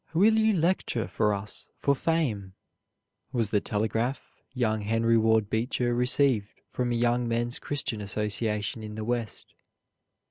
"Will you lecture for us for fame?" was the telegram young Henry Ward Beecher received from a Young Men's Christian Association in the West.